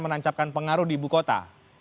menancapkan pengaruh di ibu kota